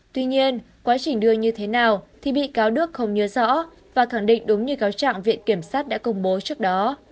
tuy nhiên quá trình đưa như thế nào thì bị cáo đức không nhớ rõ và khẳng định đúng như cáo trạng viện kiểm sát đã công bố trước đó